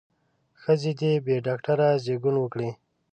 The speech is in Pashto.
ښځې دې بې ډاکتره زېږون وکړي.